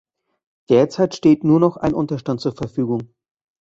Derzeit steht nur noch ein Unterstand zur Verfügung.